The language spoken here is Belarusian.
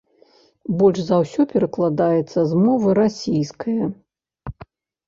Больш за ўсё перакладаецца з мовы расійскае.